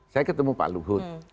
saya ketemu pak luhut